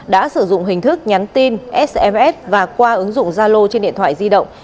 đã sử dụng hình thức nhắn tin sms và qua ứng dụng gia lô trên điện thoại di động